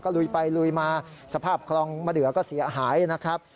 ลุยไปลุยมาสภาพคลองมะเดือก็เสียหายนะครับ